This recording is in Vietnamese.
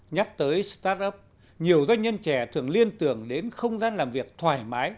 nhắc tới start up nhiều doanh nhân trẻ thường liên tưởng đến không gian làm việc thoải mái